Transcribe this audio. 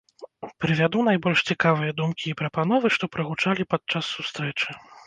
Прывяду найбольш цікавыя думкі і прапановы, што прагучалі падчас сустрэчы.